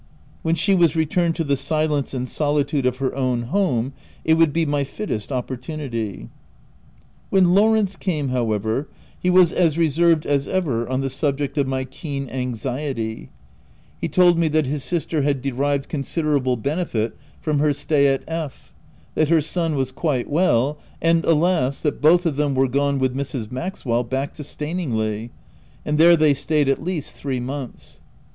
When she was returned to the silence and soli tude of her own home it would be my fittest opportunity. When Lawrence came, however, he was as n 2 268 THE TENANT reserved as ever on the subject of my keen an xiety. He told me that his sister had derived considerable benefit from her stay at F , that her son was quite well, and — alas ! that both of them were gone, with Mrs. Maxwell, back to Staningley ;— and there they stayed at least three months.